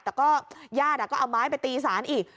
แต่ก็ญาติก็เอาไม้ไปตีศาลอีก